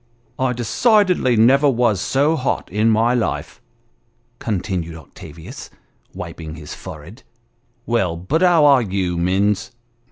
" I decidedly never was so hot in my life," continued Octavius, wiping his forehead ; "well, but how are you, Minns?